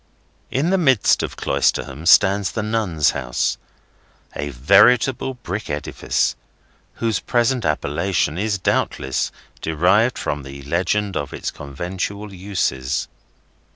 In the midst of Cloisterham stands the Nuns' House: a venerable brick edifice, whose present appellation is doubtless derived from the legend of its conventual uses.